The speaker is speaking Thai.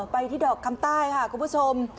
ไปที่ดอกคำใต้ค่ะคุณผู้ชม